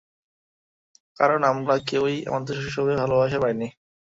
কারণ আমরা কেউই আমাদের শৈশবে ভালোবাসা পাইনি।